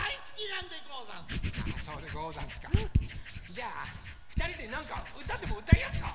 じゃあふたりでなんかうたでもうたいやすか？